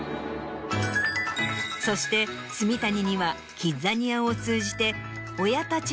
そして住谷にはキッザニアを通じて。